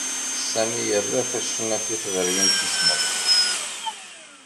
Sami yerra tacnafit ɣer yimsismeḍ.